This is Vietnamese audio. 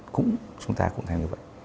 chúng ta cũng thêm như vậy